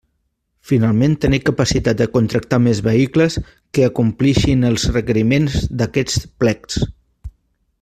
Finalment tenir capacitat de contractar més vehicles que acompleixin els requeriments d'aquests plecs.